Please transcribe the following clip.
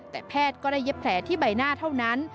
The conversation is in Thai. แต่แพทย์ก็ได้เย็บแผลที่ใบหน้าเท่านั้น